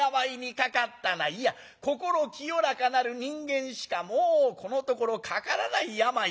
いや心清らかなる人間しかもうこのところかからない病だ。